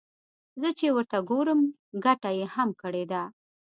زه چې ورته ګورم ګټه يې هم کړې ده.